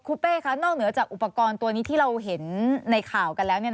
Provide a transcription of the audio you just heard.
คุณเป้คะนอกเหนือจากอุปกรณ์ตัวนี้ที่เราเห็นในข่าวกันแล้ว